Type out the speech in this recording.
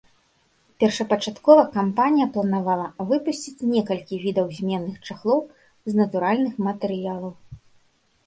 Першапачаткова кампанія планавала выпусціць некалькі відаў зменных чахлоў з натуральных матэрыялаў.